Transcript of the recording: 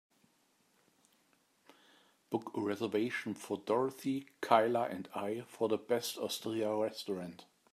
Book a reservation for dorothy, kayla and I for the best osteria restaurant